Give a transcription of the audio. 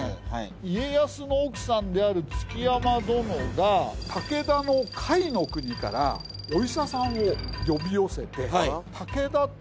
家康の奥さんである築山殿が武田の甲斐国からお医者さんを呼び寄せて。